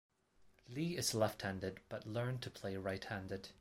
Li is left-handed but learned to play right-handed.